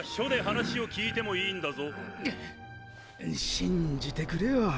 信じてくれよ！